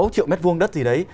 năm sáu triệu mét vuông đất gì đấy